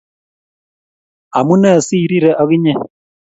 Amune si irire ag inye